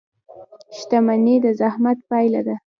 • شتمني د زحمت پایله ده.